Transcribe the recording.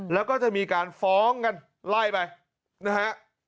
แล้วก็จะมีการฟ้องกันไล่ไปนะฮะ